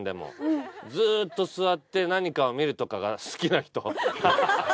ずっと座って何かを見るとかが好きな人。